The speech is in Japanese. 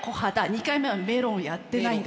２回目はメロンやってないんだ。